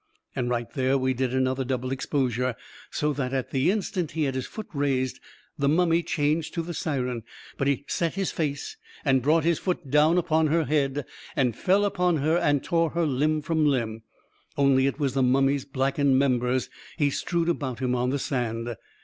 And right there we did an other double exposure, so that at the instant he had his foot raised, the mummy changed to the siren — but he set his face, and brought his foot down upon her head, and fell upon her and tore her limb from limb — only it was the mummy's blackened members he strewed about him on the sand.